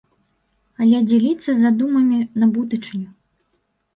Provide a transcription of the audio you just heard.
Але дзеліцца задумамі на будучыню.